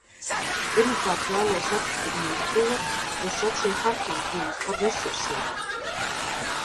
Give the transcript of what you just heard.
Pirmkārt, vēlos apstiprināt to, ko sacīja Harkin kundze par resursiem.